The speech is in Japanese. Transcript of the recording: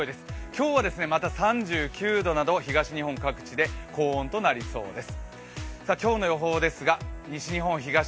今日はまた３９度など、東日本各地で高温となりそうです。